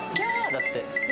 だって。